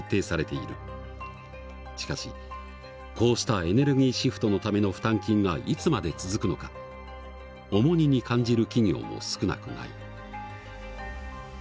しかしこうしたエネルギーシフトのための負担金がいつまで続くのか重荷に感じる企業も少なくない。